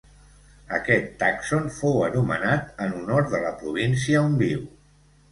Aquest tàxon fou anomenat en honor de la província on viu.